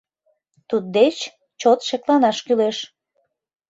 Туддеч чот шекланаш кӱлеш.